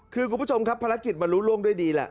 คือคุณผู้ชมครับภารกิจมันรู้ล่วงด้วยดีแหละ